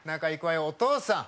お父さん！